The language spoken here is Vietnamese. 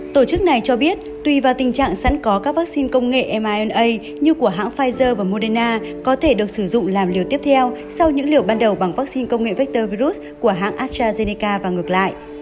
tổ chức này cho biết tùy vào tình trạng sẵn có các vaccine công nghệ myna như của hãng pfizer và moderna có thể được sử dụng làm liều tiếp theo sau những liều ban đầu bằng vaccine công nghệ vector virus của hãng astrazeneca và ngược lại